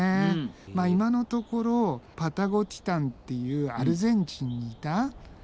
まあ今のところパタゴティタンっていうアルゼンチンにいたやつが。